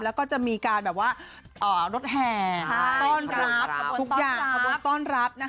แล้วก็จะมีการแบบว่ารถแห่ต้อนรับทุกอย่างขบวนต้อนรับนะคะ